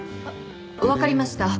わかりました。